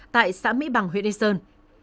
tại xã mỹ bằng huyện yên sơn